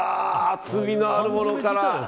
厚みのあるものから。